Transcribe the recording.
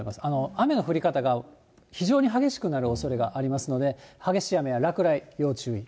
雨の降り方が非常に激しくなるおそれがありますので、激しい雨や落雷、要注意。